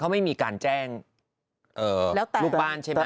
เขาไม่มีการแจ้งลูกบ้านใช่ไหม